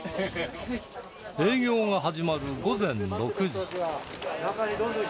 営業が始まる午前６時